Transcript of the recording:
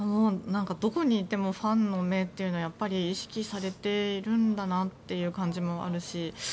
どこにいてもファンの目っていうのは意識されているんだなっていう感じもあるし